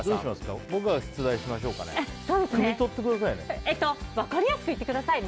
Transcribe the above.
僕が出題しましょうかね。